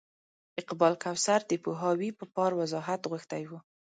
اقبال کوثر د پوهاوي په پار وضاحت غوښتی و.